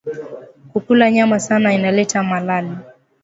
Kukula nyama sana ina leta malali